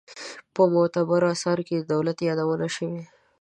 په معتبرو آثارو کې د دولت یادونه شوې.